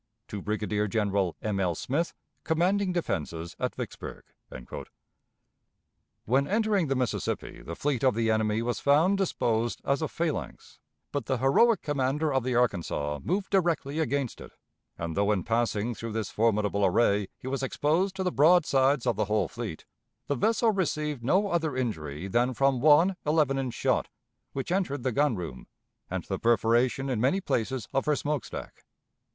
_ "To Brigadier General M. L. SMITH, commanding defenses at Vicksburg." When entering the Mississippi the fleet of the enemy was found disposed as a phalanx, but the heroic commander of the Arkansas moved directly against it; and, though in passing through this formidable array he was exposed to the broadsides of the whole fleet, the vessel received no other injury than from one eleven inch shot which entered the gun room, and the perforation in many places of her smoke stack.